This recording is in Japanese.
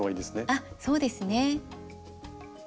あっそうですね。